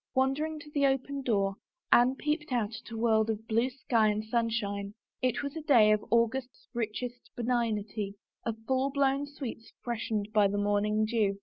Wandering to the open door Anne peeped out at a world of blue sky and sunshine. It was a day of August's richest benignity, of full blown sweets fresh 38 A ROSE AND SOME WORDS ened by the morning dew.